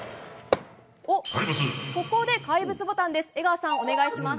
ここで怪物ボタンです。